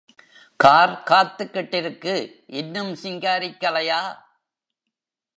Car காத்துக்கிட்டிருக்கு இன்னும் சிங்காரிக்கலையா?